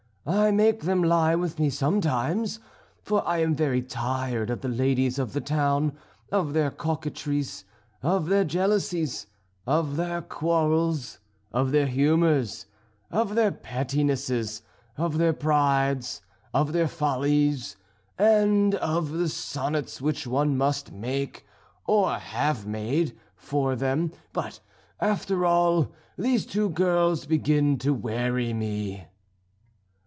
"I make them lie with me sometimes, for I am very tired of the ladies of the town, of their coquetries, of their jealousies, of their quarrels, of their humours, of their pettinesses, of their prides, of their follies, and of the sonnets which one must make, or have made, for them. But after all, these two girls begin to weary me."